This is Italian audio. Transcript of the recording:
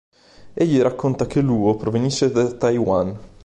Egli racconta che Luo provenisse da Taiyuan.